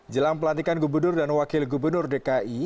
jelang pelantikan gubernur dan wakil gubernur dki